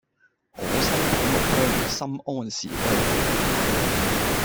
我身本無鄉，心安是歸號